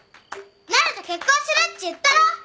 なると結婚するっち言ったろ！？